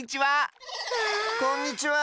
こんにちは！